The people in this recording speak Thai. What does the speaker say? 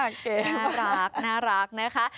เก่งมากน่ารักนะคะ